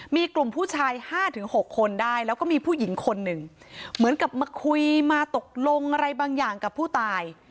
มีกลุ่มผู้ชาย๕๖คนได้แล้วก็มีผู้หญิงคนหนึ่งเหมือนกับมาคุยมาตกลงอะไรบางอย่างกับผู้ตาย